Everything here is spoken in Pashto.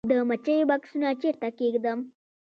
د مچیو بکسونه چیرته کیږدم؟